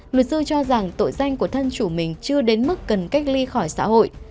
luật sư cho rằng tội danh của thân chủ mình chưa đến mức cần cách ly khỏi xã hội